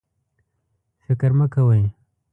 فکر مه کوئ